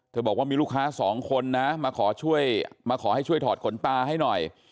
เธอบอกว่ามีลูกค้าสองคนนะมาขอให้ช่วยถอดขนตาให้หน่อย